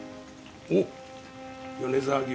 おっ米沢牛。